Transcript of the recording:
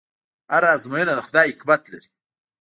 هره ازموینه د خدای حکمت لري.